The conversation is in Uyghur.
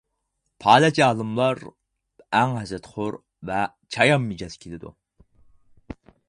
پالەچ ئالىملار ئەڭ ھەسەتخور ۋە چايان مىجەز كېلىدۇ.